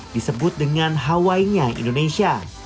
disebut dengan hawainya indonesia